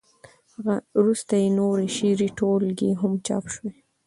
وروسته یې نورې شعري ټولګې هم چاپ شوې.